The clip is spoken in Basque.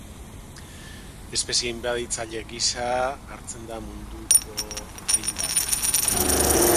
Espezie inbaditzaile gisa hartzen da munduko hainbat lekutan.